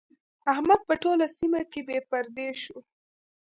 احمد په ټوله سيمه کې بې پردې شو.